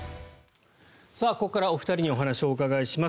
ここからお二人にお話をお伺いします。